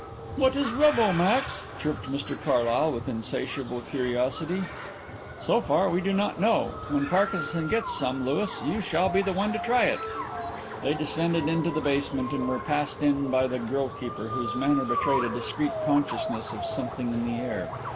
'" "What is 'Rubbo,' Max?" chirped Mr Carlyle with insatiable curiosity. "So far we do not know. When Parkinson gets some, Louis, you shall be the one to try it." They descended into the basement and were passed in by the grille keeper, whose manner betrayed a discreet consciousness of something in the air.